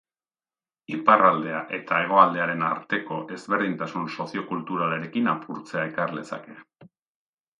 Iparraldea eta hegoaldearen arteko ezberdintasun soziokulturalekin apurtzea ekar lezake.